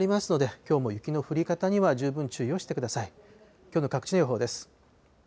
きょうの各地の予報です。